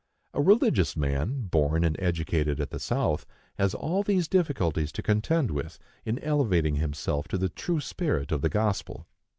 A religious man, born and educated at the South, has all these difficulties to contend with, in elevating himself to the true spirit of the gospel.